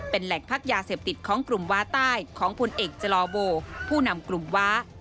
เป็นแหล่งพักยาเสพติดของกลุ่มว้าใต้ของผลเอกจลอโบผู้นำกลุ่มว้า